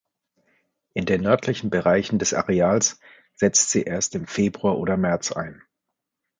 In den nördlichen Bereichen des Areals setzt sie erst im Februar oder März ein.